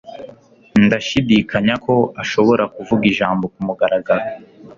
Ndashidikanya ko ashobora kuvuga ijambo kumugaragaro.